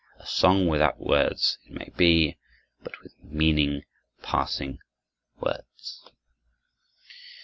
A song without words it may be, but with a meaning passing words.